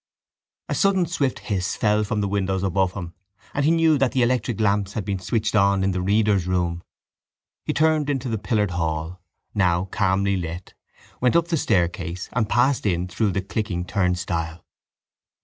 A sudden swift hiss fell from the windows above him and he knew that the electric lamps had been switched on in the reader's room. He turned into the pillared hall, now calmly lit, went up the staircase and passed in through the clicking turnstile.